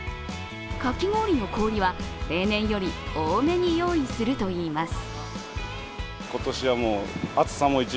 かき氷の氷は例年より多めに用意するといいます。